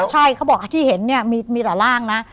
ใช่เขาบอกที่เห็นเนี่ยมีแต่ร่างนะ